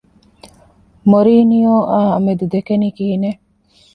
މޮރިީނިއޯއާ މެދު ދެކެނީ ކިހިނެއް؟